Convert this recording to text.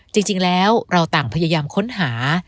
จริงแล้วเราต่างพยายามค้นหา